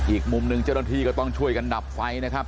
อีกมุมหนึ่งเจ้าหน้าที่ก็ต้องช่วยกันดับไฟนะครับ